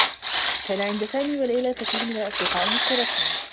كان عند سامي و ليلى الكثير من الأصدقاء المشتركين.